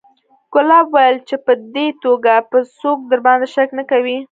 ګلاب وويل چې په دې توګه به څوک درباندې شک نه کوي.